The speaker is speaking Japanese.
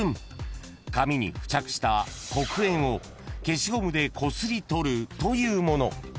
［紙に付着した黒鉛を消しゴムでこすりとるというもの］